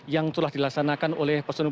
yang telah dilaksanakan oleh personal pt pal